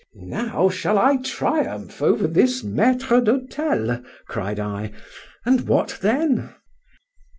Now shall I triumph over this maître d'hôtel, cried I,—and what then?